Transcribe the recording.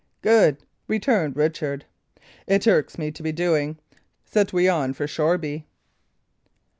"Good!" returned Richard. "It irks me to be doing. Set we on for Shoreby!"